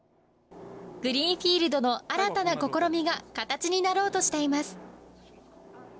グリーンフィールドの新たな試みが形になろうとしています。